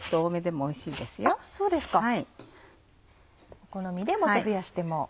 お好みでもっと増やしても。